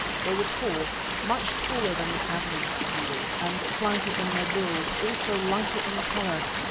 They were tall, much taller than the average Zulu, and slighter in their build, also lighter in colour.